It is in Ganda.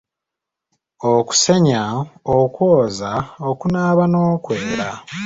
Okusenya, okwoza, okunaaba, n'okwera.